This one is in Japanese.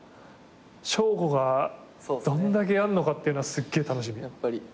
彰悟がどんだけやんのかっていうのはすっげえ楽しみ。